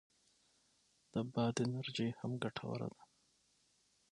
د باد انرژي هم ګټوره ده